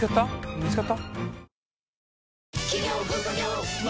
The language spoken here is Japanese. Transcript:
見つかった？